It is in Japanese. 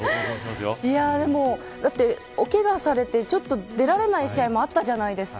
おけがをされてちょっと出られない試合もあったじゃないですか。